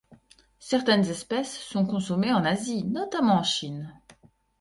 Certaines espèces sont consommées en Asie, notamment en Chine.